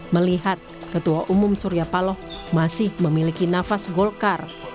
melihat ketua umum surya paloh masih memiliki nafas golkar